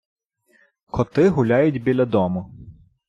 Коти гуляють біля дому